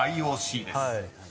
「ＩＯＣ」です］